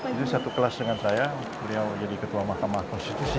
itu satu kelas dengan saya beliau jadi ketua mahkamah konstitusi